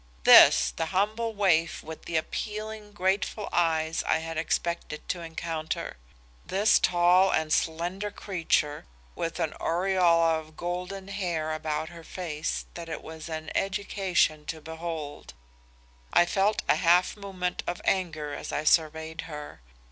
This, the humble waif with the appealing grateful eyes I had expected to encounter? this tall and slender creature with an aureola of golden hair about a face that it was an education to behold! I felt a half movement of anger as I surveyed her.